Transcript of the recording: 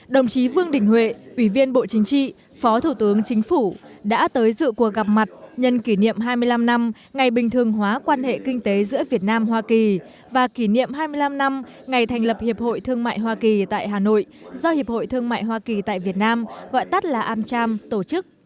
đồng chí vương đình huệ ủy viên bộ chính trị phó thủ tướng chính phủ đã tới dự cuộc gặp mặt nhân kỷ niệm hai mươi năm năm ngày bình thường hóa quan hệ kinh tế giữa việt nam hoa kỳ và kỷ niệm hai mươi năm năm ngày thành lập hiệp hội thương mại hoa kỳ tại hà nội do hiệp hội thương mại hoa kỳ tại việt nam gọi tắt là amcham tổ chức